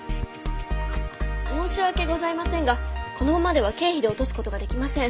申し訳ございませんがこのままでは経費で落とすことができません。